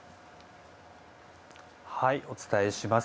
お伝えします。